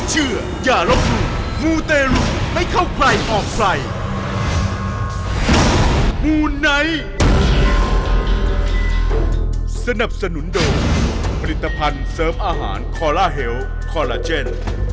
หรือคอลลาเจน